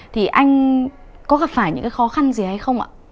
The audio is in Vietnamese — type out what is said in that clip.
thì anh có gặp phải những cái khó khăn gì hay không ạ